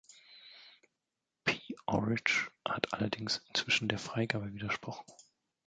P-Orridge hat allerdings inzwischen der Freigabe widersprochen.